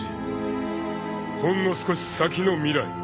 ［ほんの少し先の未来